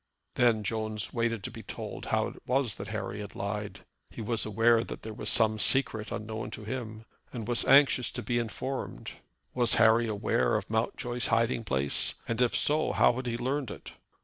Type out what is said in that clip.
Then Jones waited to be told how it was that Harry had lied. He was aware that there was some secret unknown to him, and was anxious to be informed. Was Harry aware of Mountjoy's hiding place, and if so, how had he learned it?